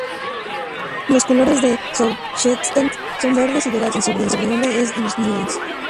Los colores de Southeastern son verdes y dorados, y el sobrenombre es los Lions.